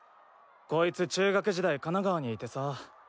こいつ中学時代神奈川にいてさあ。